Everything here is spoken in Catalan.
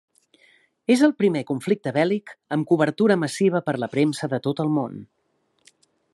És el primer conflicte bèl·lic amb cobertura massiva per la premsa de tot el món.